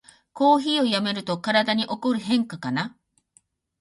コーヒーをやめると体に起こる変化かな